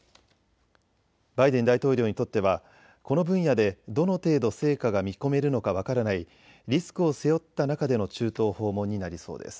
バイデン大統領にとってはこの分野でどの程度成果が見込めるのか分からないリスクを背負った中での中東訪問になりそうです。